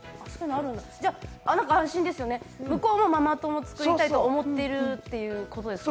安心ですよね、向こうもママ友を作りたいと思っているっていうことですからね。